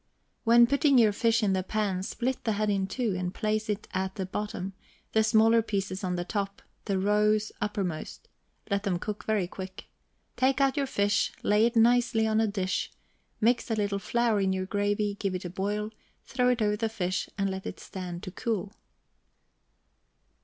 When putting your fish in the pan, split the head in two, and place it at the bottom, the smaller pieces on the top, the rows uppermost; let them cook very quick. Take out your fish, lay it nicely on a dish, mix a little flour in your gravy, give it a boil, throw it over the fish, and let it stand to cool.